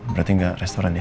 berarti nggak restoran ya